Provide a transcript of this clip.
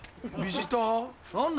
何だ？